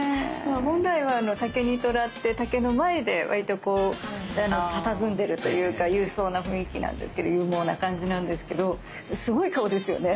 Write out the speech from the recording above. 本来は竹に虎って竹の前でわりとこうたたずんでるというか勇壮な雰囲気なんですけど勇猛な感じなんですけどすごい顔ですよね！